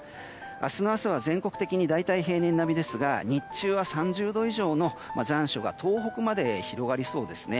明日の朝は全国的に大体、平年並みですが日中は３０度以上の残暑が東北まで広がりそうです。